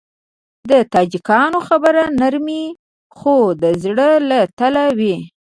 د تاجکانو خبرې نرمې خو د زړه له تله وي.